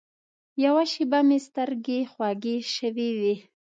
یوه شېبه مې سترګې خوږې شوې وې.